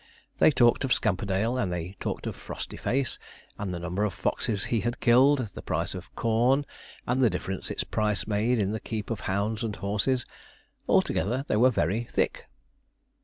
They talked of Scamperdale, and they talked of Frostyface, and the number of foxes he had killed, the price of corn, and the difference its price made in the keep of hounds and horses. Altogether they were very 'thick.'